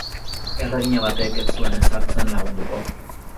Erregina batek ez zuen ezartzen lagunduko.